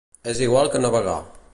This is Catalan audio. És igual que navegar.